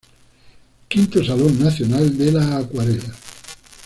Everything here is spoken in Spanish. V Salón Nacional de la acuarela.